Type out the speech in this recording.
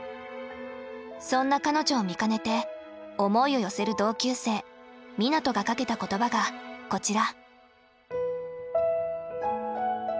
そんな彼女を見かねて思いを寄せる同級生湊斗がかけた言葉がこちら。